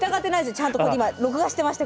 ちゃんと今録画してました